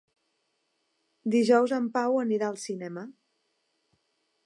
Dijous en Pau anirà al cinema.